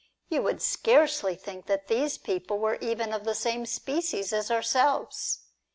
You would scarcely think that these people were even of the same species as ourselves.